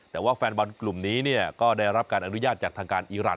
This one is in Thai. แต่ว่าแฟนบอลกลุ่มนี้ก็ได้รับการอนุญาตจากทางการอีราน